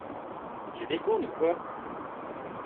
Tu déconnes ou quoi?